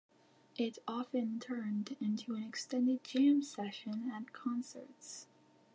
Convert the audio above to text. It often turned into an extended jam session at concerts.